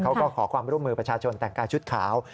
ขอความร่วมมือประชาชนแต่งกายชุดขาว